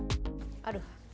sedikit baru kita bilas